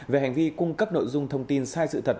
về hành vi cung cấp nội dung thông tin sai sự thật